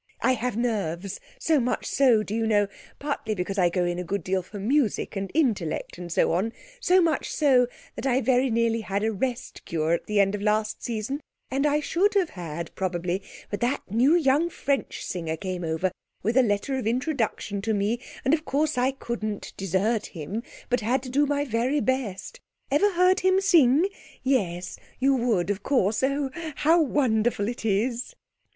I have nerves, so much so, do you know (partly because I go in a good deal for music and intellect and so on), so much so, that I very nearly had a rest cure at the end of last season, and I should have had, probably, but that new young French singer came over with a letter of introduction to me, and of course I couldn't desert him, but had to do my very best. Ever heard him sing? Yes, you would, of course. Oh, how wonderful it is!'